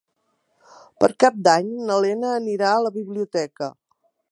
Per Cap d'Any na Lena anirà a la biblioteca.